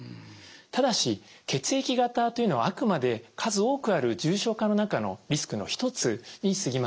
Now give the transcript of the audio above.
ただし血液型というのはあくまで数多くある重症化の中のリスクの一つにすぎません。